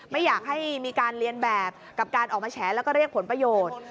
ไม่อยากให้มีการเรียนแบบกับการออกมาแฉแล้วก็เรียกผลประโยชน์